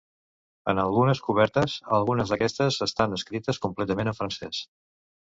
En algunes cobertes, algunes d'aquestes estan escrites completament en francès.